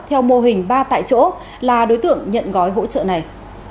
theo mô hình ba tại chỗ là đối tượng nhận gói hỗ trợ này